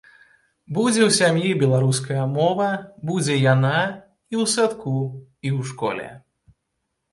Будзе ў сям'і беларуская мова, будзе яна і ў садку, і ў школе.